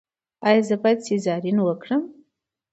ایا زه باید سیزارین وکړم؟